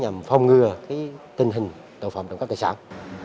nhằm phòng ngừa cái tình hình tội phạm trong các tài sản